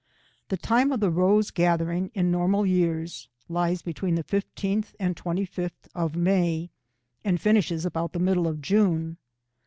The time of the rose gathering in normal years lies between the 15 th and 25th of May, and finishes about the middle of June.